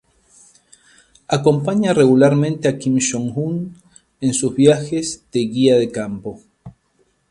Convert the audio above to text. Acompaña regularmente a Kim Jong-un en sus viajes de "guía de campo".